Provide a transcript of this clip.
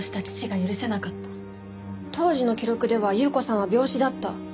当時の記録では優子さんは病死だった。